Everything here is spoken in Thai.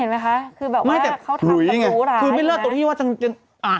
แบบเค้าทำตัวหลาย